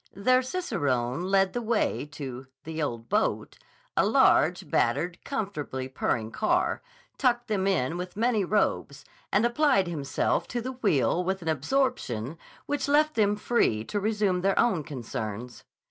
Their cicerone led the way to "the ole boat," a large, battered, comfortably purring car, tucked them in with many robes, and applied himself to the wheel with an absorption which left them free to resume their own concerns.